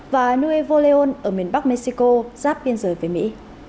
và nuevo leon ở miền bắc mexico giáp biên giới với mỹ